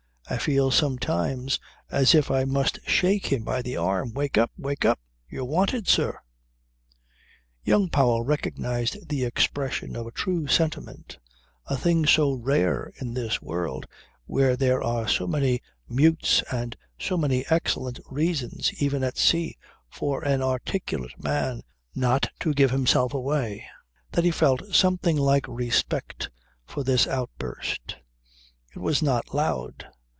I feel sometimes as if I must shake him by the arm: "Wake up! Wake up! You are wanted, sir ...!" Young Powell recognized the expression of a true sentiment, a thing so rare in this world where there are so many mutes and so many excellent reasons even at sea for an articulate man not to give himself away, that he felt something like respect for this outburst. It was not loud.